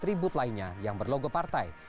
atribut lainnya yang berlogo partai